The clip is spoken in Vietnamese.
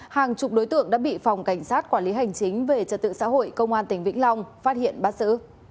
hàng chục đối tượng đã bị phòng cảnh sát quản lý hành chính về trật tự xã hội công an tỉnh vĩnh long phát hiện bắt xử